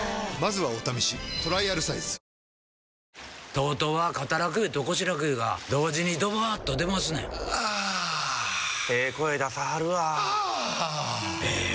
ＴＯＴＯは肩楽湯と腰楽湯が同時にドバーッと出ますねんあええ声出さはるわあええ